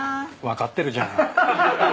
分かってるじゃない。